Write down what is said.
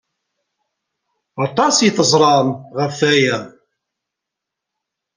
Aṭas ay teẓram ɣef waya.